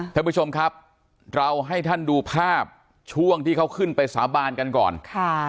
ท่านผู้ชมครับเราให้ท่านดูภาพช่วงที่เขาขึ้นไปสาบานกันก่อนค่ะ